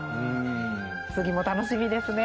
次も楽しみですね。